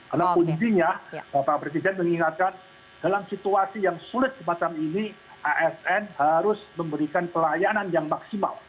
karena kuncinya pak presiden mengingatkan dalam situasi yang sulit semacam ini asn harus memberikan pelayanan yang maksimal